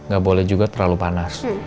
gak boleh juga terlalu panas